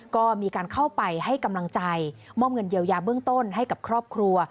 ก็มีการเข้าไปให้กำลังใจมอบเงินเยียวยาเบื้องต้นให้กับครอบครัว